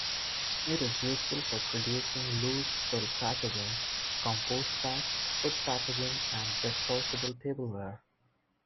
It is useful for producing loose-fill packaging, compost bags, food packaging, and disposable tableware.